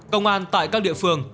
công an tại các địa phương